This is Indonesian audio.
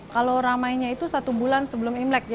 kalau ramainya itu satu bulan sebelum imlek